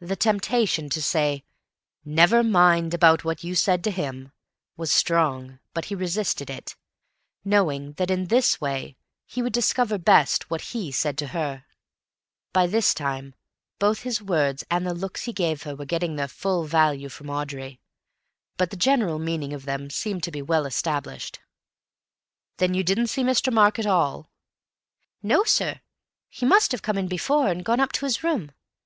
The temptation to say, "Never mind about what you said to him," was strong, but he resisted it, knowing that in this way he would discover best what he said to her. By this time both his words and the looks he gave her were getting their full value from Audrey, but the general meaning of them seemed to be well established. "Then you didn't see Mr. Mark at all." "No, sir; he must have come in before and gone up to his room.